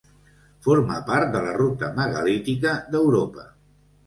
Forma part de la ruta megalítica d'Europa.